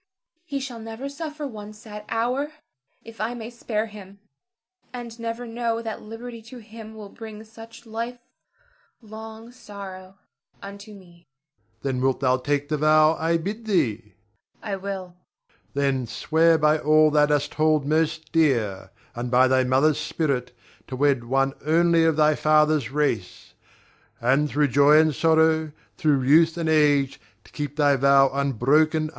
He shall never suffer one sad hour if I may spare him, and never know that liberty to him will bring such life long sorrow unto me. Ber. Then thou wilt take the vow I bid thee? Zara. I will. Ber. Then swear by all thou dost hold most dear, and by thy mother's spirit, to wed one only of thy father's race; and through joy and sorrow, thro' youth and age, to keep thy vow unbroken until death.